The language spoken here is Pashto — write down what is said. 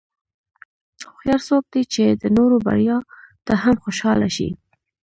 هوښیار څوک دی چې د نورو بریا ته هم خوشاله شي.